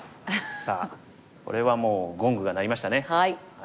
さあこれはもうゴングが鳴りましたね。